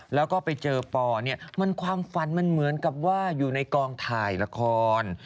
แล้วก็ไปเจอปอเนี่ยมันความฝันมันเหมือนกับว่าอยู่ในกองถ่ายละคร